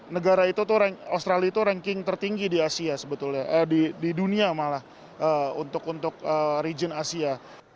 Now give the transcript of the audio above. negara itu tuh australia itu ranking tertinggi di asia sebetulnya di dunia malah untuk region asia